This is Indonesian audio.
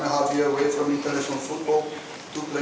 satu lima tahun dari futbol internasional dua pemain setiap klub